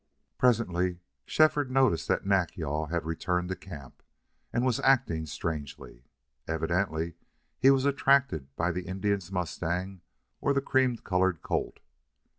Presently Shefford noticed that Nack yal had returned to camp and was acting strangely. Evidently he was attracted by the Indian's mustang or the cream colored colt.